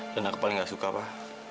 dan aku paling tidak suka pak